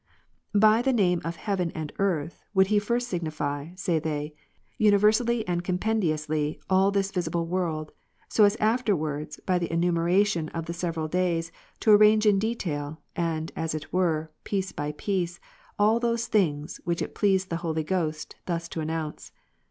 "By the name of heaven and earth would he first signify," say they ;" universally and compendiously, all this visible world; so as afterwards by the enumeration of the several days, to arrange in detail, and, as it w^ere, piece by piece, all those things, which it pleased the Holy Ghost thus to enounce.